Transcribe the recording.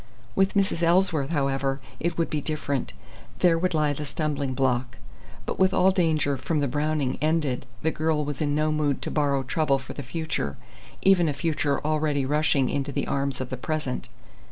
With Mrs. Ellsworth, however, it would be different. There would lie the stumbling block; but with all danger from the Browning ended, the girl was in no mood to borrow trouble for the future, even a future already rushing into the arms of the present.